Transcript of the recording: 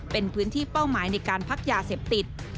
เป็นพื้นที่เป้าหมายในการพักยาเสพติด